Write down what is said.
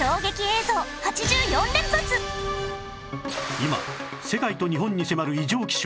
今世界と日本に迫る異常気象